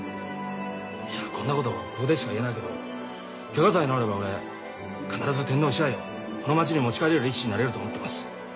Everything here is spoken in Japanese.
いやこんなことここでしか言えないけどケガさえ治れば俺必ず天皇賜杯をこの町に持ち帰れる力士になれると思ってます。